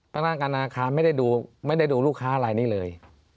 ธนาคารไม่ได้ดูไม่ได้ดูลูกค้าอะไรนี้เลย